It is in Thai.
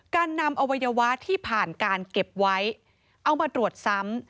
การนำอวัยวะที่ผ่านการเก็บไว้เอามาตรวจซ้ำ